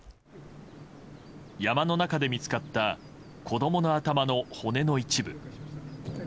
山の中で見つかった子供の頭の骨の一部。